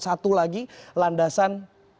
satu lagi landasan